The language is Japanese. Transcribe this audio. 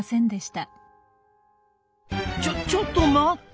ちょちょっと待った！